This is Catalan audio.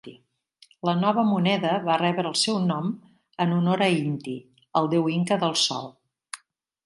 La nova moneda va rebre el seu nom en honor a Inti, el deu inca del sol.